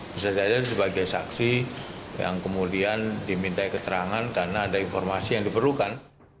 bisa jadi sebagai saksi yang kemudian diminta keterangan karena ada informasi yang diperlukan